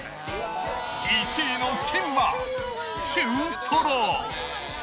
１位の金は中トロ。